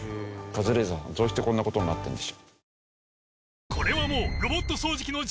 カズレーザーさんどうしてこんな事になってるんでしょう？